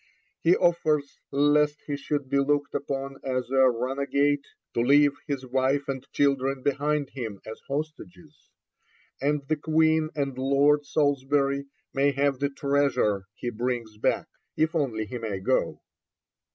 He offers, lest he should be looked upon as a runagate, to leave his wife and children behind him as hostages; and the Queen and Lord Salisbury may have the treasure he brings back, if only he may go.